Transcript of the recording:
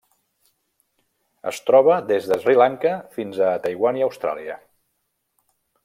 Es troba des de Sri Lanka fins a Taiwan i Austràlia.